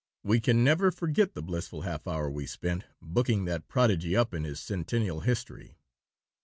We can never forget the blissful half hour we spent booking that prodigy up in his centennial history.